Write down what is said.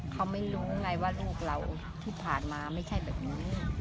เขาไม่รู้ไงว่าลูกเราที่ผ่านมาไม่ใช่แบบนี้